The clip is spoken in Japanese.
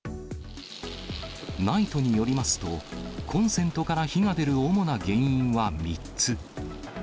ＮＩＴＥによりますと、コンセントから火が出る主な原因は３つ。